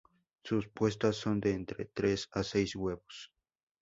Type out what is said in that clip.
Sus puestas son de entre tres a seis huevos.